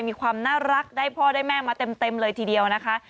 มีความน่ารักได้พ่อได้แม่มาเต็มเลยทีเดียวนะคะ